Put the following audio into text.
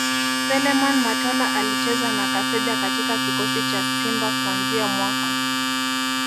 Seleman Matola Alicheza na Kaseja katika kikosi cha Simba kuanzia mwaka